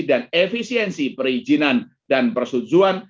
dan efisiensi perizinan dan persetujuan